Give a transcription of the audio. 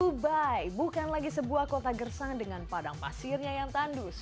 dubai bukan lagi sebuah kota gersang dengan padang pasirnya yang tandus